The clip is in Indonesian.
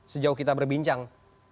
sejauh kita berbincang